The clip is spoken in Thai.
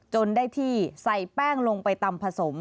จนได้ที่ใส่แป้งลงไปตำผสม